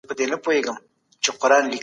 موږ به په راتلونکي کي پرمختګ وکړو.